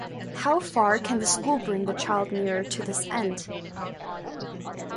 How far can the school bring the child nearer to this end?